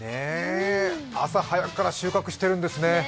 朝早くから収穫してるんですね。